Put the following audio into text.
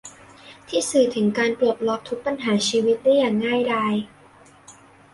ที่สื่อถึงการปลดล็อกทุกปัญหาชีวิตได้อย่างง่ายดาย